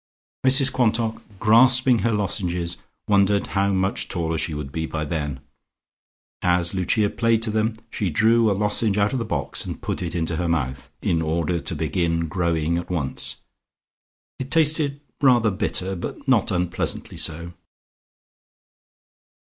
Mrs Quantock, grasping her lozenges, wondered how much taller she would be by then. As Lucia played to them, she drew a lozenge out of the box and put it into her mouth, in order to begin growing at once. It tasted rather bitter, but not unpleasantly so.